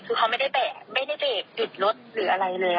คือเขาไม่ได้แบบชุดรถหรืออะไรเลย